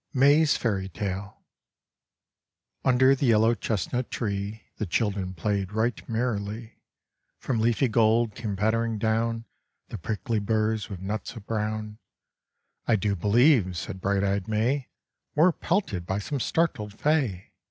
MAY'S FAIRY TALE. Under the yellow chestnut tree The children played right merrily. From leafy gold came pattering down The prickly burs with nuts of brown. "I do believe," said bright eyed May, "We're pelted by some startled fay!